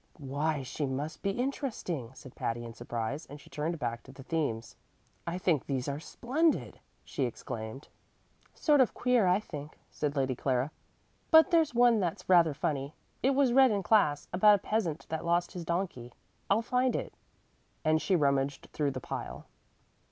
"Why, she must be interesting!" said Patty, in surprise, and she turned back to the themes. "I think these are splendid!" she exclaimed. "Sort of queer, I think," said Lady Clara. "But there's one that's rather funny. It was read in class about a peasant that lost his donkey. I'll find it"; and she rummaged through the pile.